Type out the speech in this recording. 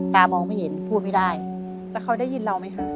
มองไม่เห็นพูดไม่ได้แล้วเขาได้ยินเราไหมคะ